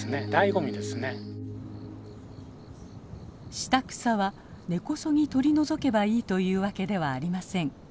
下草は根こそぎ取り除けばいいというわけではありません。